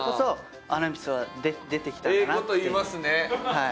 はい。